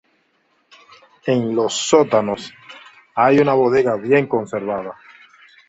En los sótanos hay una bodega bien conservada.